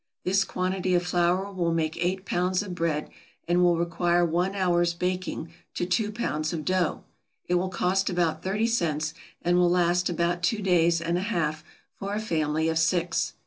This quantity of flour will make eight pounds of bread, and will require one hour's baking to two pounds of dough. It will cost about thirty cents, and will last about two days and a half for a family of six.